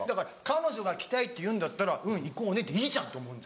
彼女が来たいって言うんだったら「行こうね」でいいじゃんと思う。